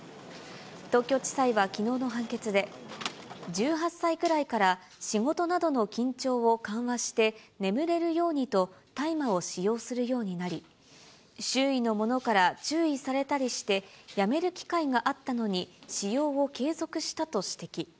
東京地裁はきのうの判決で、１８歳くらいから仕事などの緊張を緩和して眠れるようにと大麻を使用するようになり、周囲の者から注意されたりしてやめる機会があったのに、使用を継続したと指摘。